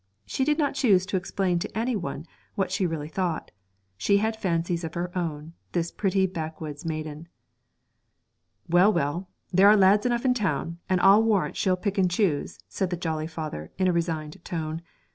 She did not choose to explain to any one what she really thought; she had fancies of her own, this pretty backwoods maiden. 'Well, well, there are lads enough in town, and I'll warrant she'll pick and choose,' said the jolly father in a resigned tone.